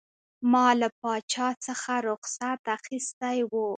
ما له پاچا څخه رخصت اخیستی وو.